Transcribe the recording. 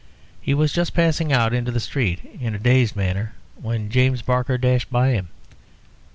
He was just passing out into the street, in a dazed manner, when James Barker dashed by him.